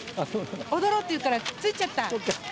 踊ろうって言ったらくっついちゃった。